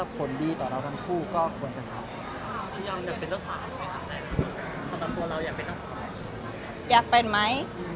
เป็นไหม